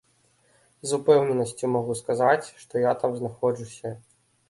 З упэўненасцю магу сказаць, што я там знаходжуся.